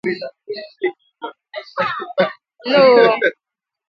N’ebe ụfọdụ